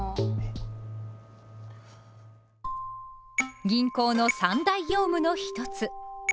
銀行の三大業務の一つ「為替」。